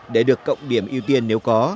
để được cộng điểm ưu tiên nếu có